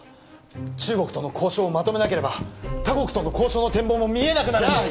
中国との交渉をまとめなければ他国との交渉の展望も見えなくなるんですじゃ